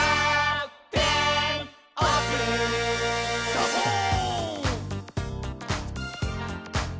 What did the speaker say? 「サボーン！」